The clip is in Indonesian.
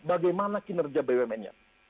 bagaimana kinerja bumn nya